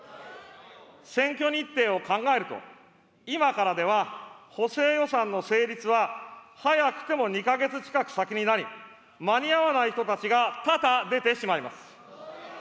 選挙日程を考えると、今からでは補正予算の成立は早くても２か月近く先になり、間に合わない人たちが多々出てしまいます。